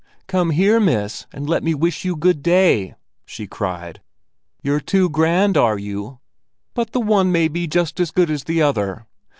"Come here, miss, and let me wish you good day!" she cried. "You're too grand, are you? But the one may be just as good as the other!